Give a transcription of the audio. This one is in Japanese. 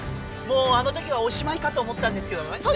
もうあのときはおしまいかと思ったんですけどもね。